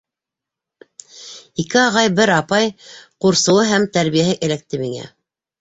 Ике ағай, бер апай ҡурсыуы һәм тәрбиәһе эләкте миңә.